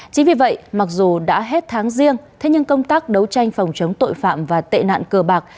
chính vì vậy mặc dù đã hết tháng riêng thế nhưng công tác đấu tranh phòng chống tội phạm và tệ nạn cờ bạc